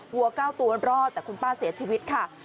วัว๙ตัวรอดแต่คุณป้าเสียชีวิตค่ะ